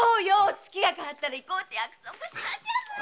月が代わったら行こうって約束したじゃない。